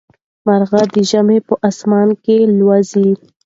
مرغۍ د ژمي په اسمان کې الوزي.